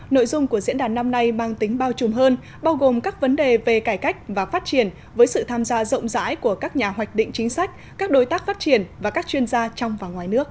nội dung của diễn đàn năm nay mang tính bao trùm hơn bao gồm các vấn đề về cải cách và phát triển với sự tham gia rộng rãi của các nhà hoạch định chính sách các đối tác phát triển và các chuyên gia trong và ngoài nước